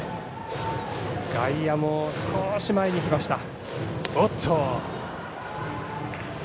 外野も少し前に来ました。